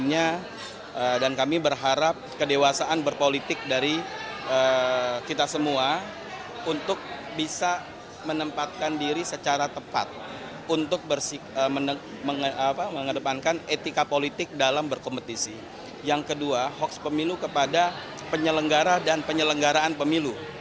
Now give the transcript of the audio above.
yang kedua hoax pemilu kepada penyelenggara dan penyelenggaraan pemilu